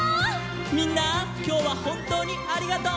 みんなきょうはほんとうにありがとう！